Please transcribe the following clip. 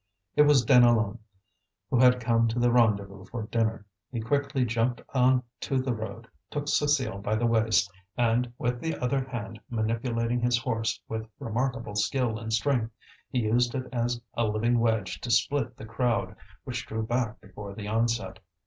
It was Deneulin who had come to the rendezvous for dinner. He quickly jumped on to the road, took Cécile by the waist, and, with the other hand manipulating his horse with remarkable skill and strength, he used it as a living wedge to split the crowd, which drew back before the onset.